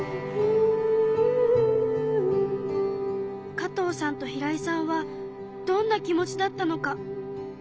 加藤さんと平位さんはどんな気持ちだったのか？